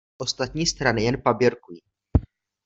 Ostatní strany jen paběrkují.